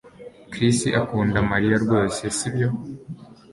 Chris akunda Mariya rwose sibyo